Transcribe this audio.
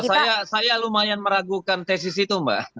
kalau saya saya lumayan meragukan tesis itu mbak